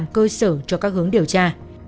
cơ sở cho các hướng điều tra